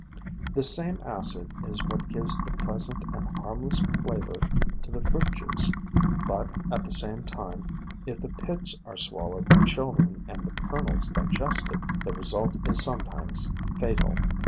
This same acid is what gives the pleasant and harmless flavor to the fruit juice, but at the same time, if the pits are swal lowed by children and the kernels digested, the re sult is sometimes fatal.